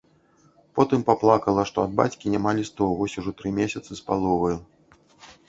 Потым паплакала, што ад бацькі няма лістоў вось ужо тры месяцы з паловаю.